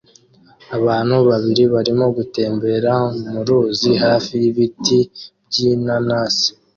Abantu babiri barimo gutembera mu ruzi hafi y'ibiti by'inanasi